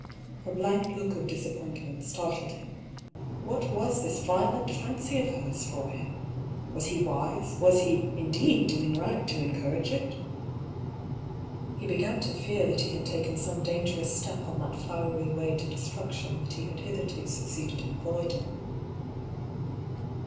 Her blank look of disappointment startled him. What was this violent fancy of hers for him? Was he wise, was he, indeed, doing right to encourage it ? He began to fear that he had taken some dangerous step on that flowery way to destruction that he had hitherto succeeded in avoiding.